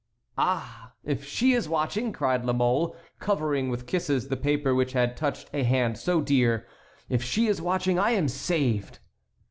"Ah! if she is watching," cried La Mole, covering with kisses the paper which had touched a hand so dear, "if she is watching, I am saved."